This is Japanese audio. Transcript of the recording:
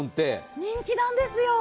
人気なんですよ。